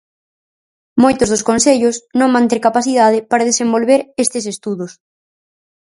Moitos dos concellos non van ter capacidade para desenvolver estes estudos.